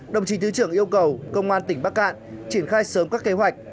đồng chí thứ trưởng yêu cầu công an tỉnh bắc cạn triển khai sớm các kế hoạch